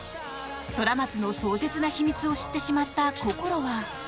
虎松の壮絶な秘密を知ってしまったこころは。